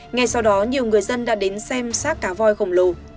ngay sau đó nhiều người dân đã đến xem sát cá voi khổng lồ